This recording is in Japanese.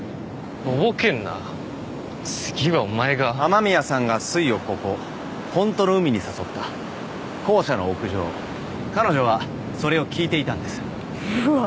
とぼけんな次はお前が雨宮さんがすいをここホントの海に誘った校舎の屋上彼女はそれを聞いていたんですうわ